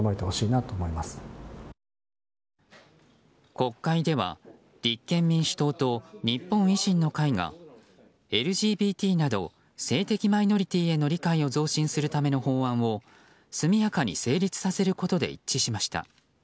国会では立憲民主党と日本維新の会がＬＧＢＴなど性的マイノリティーへの理解を増進するための法案を速やかに成立させることで一致しました。